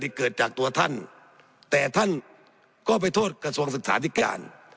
เกิดจากตัวท่านแต่ท่านก็ไปโทษกระทรวงศึกษาธิการ